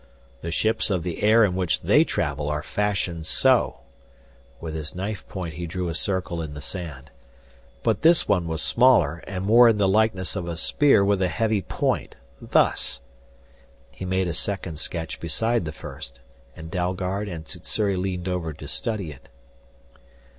The ships of the air in which they travel are fashioned so" with his knife point he drew a circle in the sand "but this one was smaller and more in the likeness of a spear with a heavy point thus" he made a second sketch beside the first, and Dalgard and Sssuri leaned over to study it.